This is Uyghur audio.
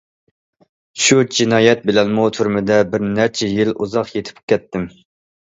شۇ جىنايەت بىلەنمۇ تۈرمىدە بىر نەچچە يىل ئۇزاق يېتىپ كەتتىم.